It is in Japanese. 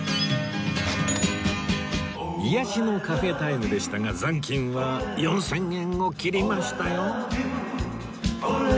癒やしのカフェタイムでしたが残金は４０００円を切りましたよ